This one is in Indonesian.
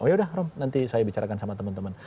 oh yaudah rom nanti saya bicarakan sama teman teman